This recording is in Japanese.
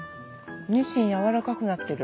ニシンやわらかくなってる。